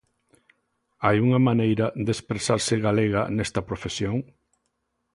Hai unha maneira de expresarse 'galega' nesta profesión?